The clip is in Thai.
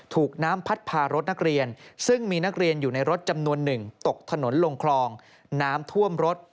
ถูกน้ำพัดพารถนักเรียนซึ่งมีนักเรียนอยู่ในรถจำนวนหนึ่งตกถนนลงคลองน้ำท่วมรถ